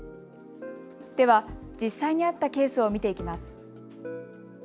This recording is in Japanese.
では、実際にあったケースを見ていきます。